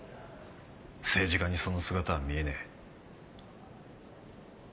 政治家にその姿は見えねえ。